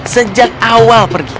sejak awal pergi